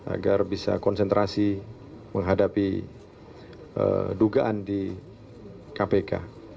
agar bisa konsentrasi menghadapi dugaan di kpk